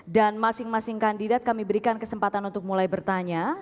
dan masing masing kandidat kami berikan kesempatan untuk mulai bertanya